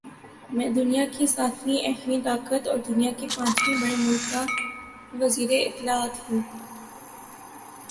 میں دنیا کی ساتویں ایٹمی طاقت اور دنیا کے پانچویں بڑے مُلک کا وزیراطلاعات ہوں